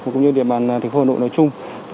cũng như địa bàn thành phố hà nội nói chung